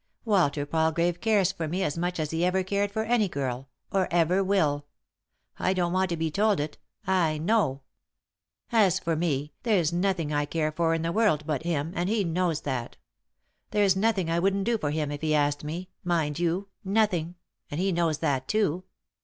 Walter Palgrave cares for me as much as he ever cared for any girl, or ever will ; I don't want to be told it ; I know. As for me, there's nothing I care for in the world but him, and he knows that. There's nothing I wouldn't do for him if he asked me — mind you, nothing 1 and he knows that too.